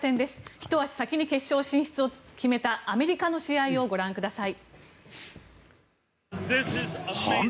ひと足先に決勝進出を決めたアメリカの試合をご覧ください。